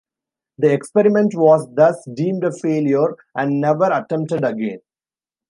The experiment was thus deemed a failure and never attempted again.